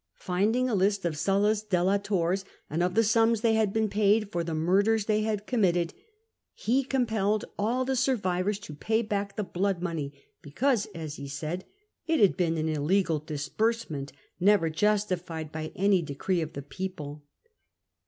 Finding a list of Sulla's delators and of the sums they had been paid for the murders they had committed, he com pelled all the survivors to pay back the blood money, because (as he said) it had been an illegal disbursement, never justified by any decree of the people.